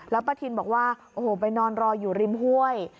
แล้วป้าทินบอกว่าโอ้โหไปนอนรออยู่ริมห้วย